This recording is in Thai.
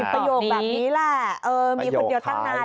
เฮ่ย